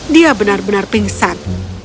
dia benar benar pingsan